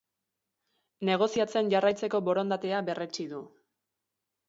Negoziatzen jarraitzeko borondatea berretsi du.